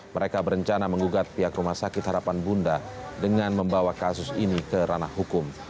mereka berencana menggugat pihak rumah sakit harapan bunda dengan membawa kasus ini ke ranah hukum